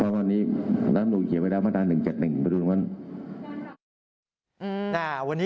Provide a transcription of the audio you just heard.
วันนี้เย็นไหม